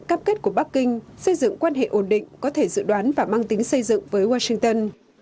cam kết của bắc kinh xây dựng quan hệ ổn định có thể dự đoán và mang tính xây dựng với washington